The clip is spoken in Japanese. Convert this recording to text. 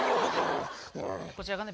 こちらがね